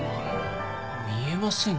見えませんけどね。